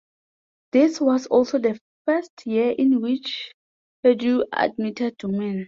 This was also the first year in which Purdue admitted women.